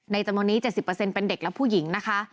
จำนวนนี้๗๐เป็นเด็กและผู้หญิงนะคะ